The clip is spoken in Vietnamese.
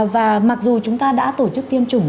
và mặc dù chúng ta đã tổ chức tiêm chủng